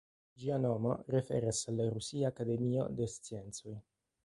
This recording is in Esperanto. Ĝia nomo referas al la Rusia Akademio de Sciencoj.